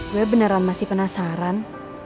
gue beneran masih penasaran